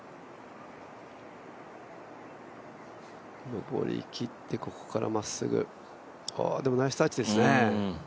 上り切ってここからまっすぐでも、ナイスタッチですね。